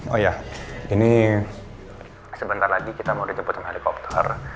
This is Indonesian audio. oh iya ini sebentar lagi kita mau dijemputkan helikopter